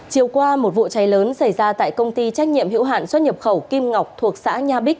chiều qua một vụ cháy lớn xảy ra tại công ty trách nhiệm hiệu hạn xuất nhập khẩu kim ngọc thuộc xã nha bích